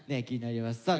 気になります。